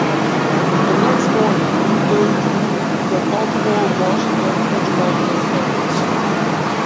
The next morning, he goes to the Baltimore-Washington International Airport.